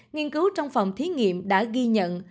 nghiên cứu trong phòng thí nghiệm đã ghi nhận